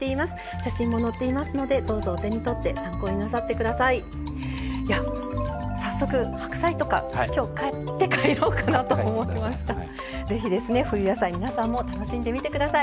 写真も載っていますのでどうぞお手に取って参考になさってください。